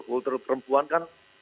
kultur perempuan kan